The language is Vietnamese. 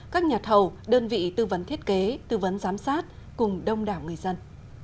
các nhà thầu đơn vị tư vấn thiết kế tư vấn giám sát cùng đông đảo người dân